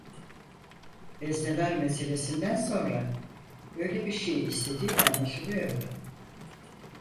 Veznedar meselesinden sonra böyle bir şeyi istediği de anlaşılıyordu.